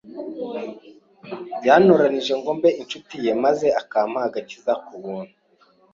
yantoranije ngo mbe inshuti ye maze akampa Agakiza ku buntu